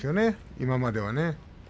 今までは。